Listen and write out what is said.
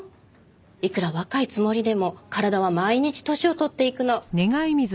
いくら若いつもりでも体は毎日年を取っていくの。